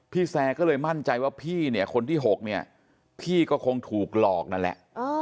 แซร์ก็เลยมั่นใจว่าพี่เนี่ยคนที่๖เนี่ยพี่ก็คงถูกหลอกนั่นแหละ